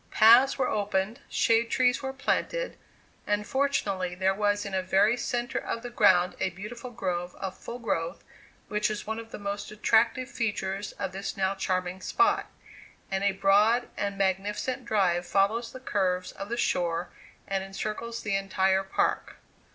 Paths were opened, shade trees were planted; and fortunately there was in the very centre of the ground a beautiful grove of full growth, which is one of the most attractive features of this now charming spot; and a broad and magnificent drive follows the curves of the shore and encircles the entire park.